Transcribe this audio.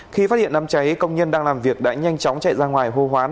khi phát hiện đám cháy công nhân đang làm việc đã nhanh chóng chạy ra ngoài hô hoán